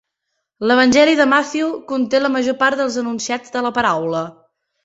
L'evangeli de Matthew conté la major part dels enunciats de la paraula.